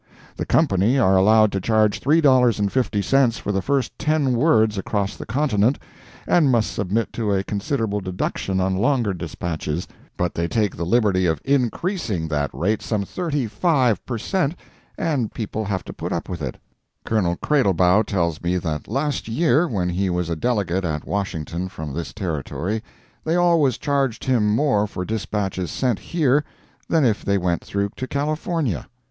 The Company are allowed to charge $3.50 for the first ten words across the continent, and must submit to a considerable deduction on longer dispatches—but they take the liberty of increasing that rate some thirty five per cent, and people have to put up with it. Colonel Cradlebaugh tells me that last year, when he was a delegate at Washington from this Territory, they always charged him more for dispatches sent here than if they went through to California.